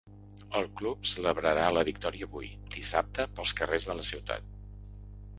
El club celebrarà la victòria avui, dissabte, pels carrers de la ciutat.